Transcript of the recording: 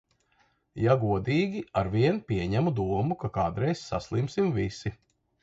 Ja godīgi, arvien pieņemu domu, ka kādreiz saslimsim visi.